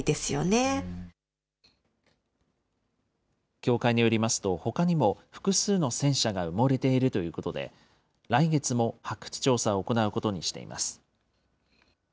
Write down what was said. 協会によりますと、ほかにも複数の戦車が埋もれているということで、来月も発掘調査を行うことにしています。